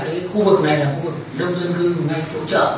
thứ hai nữa là khu vực này là khu vực đông dân cư ngay chỗ chợ